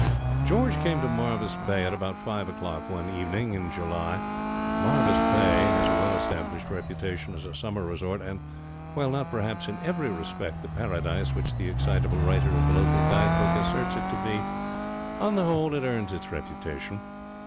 George came to Marvis Bay at about five o'clock one evening in July. Marvis Bay has a well established reputation as a summer resort, and, while not perhaps in every respect the paradise which the excitable writer of the local guide book asserts it to be, on the whole it earns its reputation.